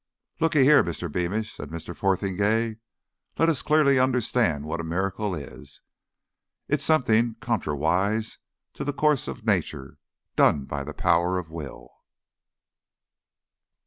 "Looky here, Mr. Beamish," said Mr. Fotheringay. "Let us clearly understand what a miracle is. It's something contrariwise to the course of nature done by power of Will...."